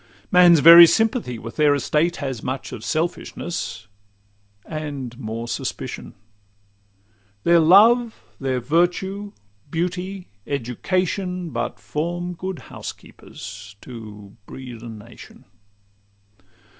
Man's very sympathy with their estate Has much of selfishness, and more suspicion. Their love, their virtue, beauty, education, But form good housekeepers, to breed a nation.